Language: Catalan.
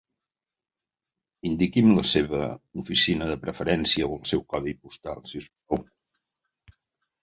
Indiqui'm la seva oficina de preferència o el seu codi postal, si us plau.